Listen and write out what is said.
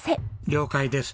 了解です。